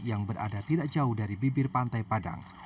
yang berada tidak jauh dari bibir pantai padang